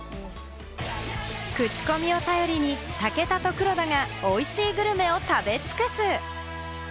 クチコミを頼りに武田と黒田が美味しいグルメを食べ尽くす！